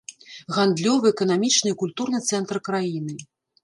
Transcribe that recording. Гандлёвы, эканамічны і культурны цэнтр краіны.